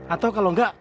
atau kalau nggak